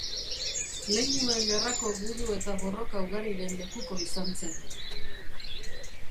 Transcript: Leinuen Gerrako gudu eta borroka ugariren lekuko izan zen.